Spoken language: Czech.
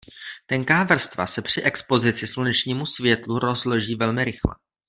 Tenká vrstva se při expozici slunečnímu světlu rozloží velmi rychle.